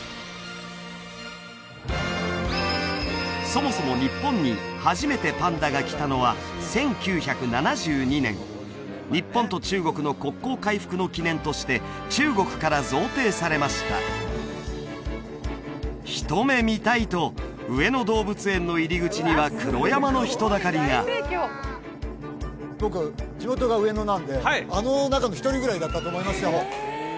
そもそも日本に初めてパンダが来たのは１９７２年日本と中国の国交回復の記念として中国から贈呈されました「一目見たい！」と上野動物園の入り口には黒山の人だかりがあの中の一人ぐらいだったと思いますよ